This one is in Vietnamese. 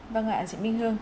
vâng ạ chị minh hương